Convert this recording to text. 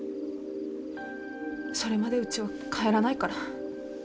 それまでうちは帰らないから。